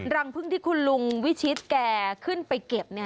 รังพึ่งที่คุณลุงวิชิตแกขึ้นไปเก็บ